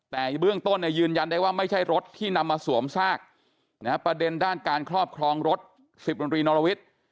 แต่เบื้องต้นยืนยันได้ว่าไม่ใช่รถที่นำมาสวมซากประเด็นด้านการครอบครองรถ๑๐ดนตรีนรวิทย์